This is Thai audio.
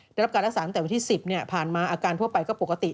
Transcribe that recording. ได้รับการรักษาตั้งแต่วันที่๑๐ผ่านมาอาการทั่วไปก็ปกติ